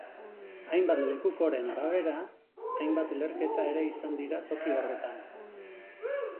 Hainbat lekukoren arabera, hainbat leherketa ere izan dira toki horretan.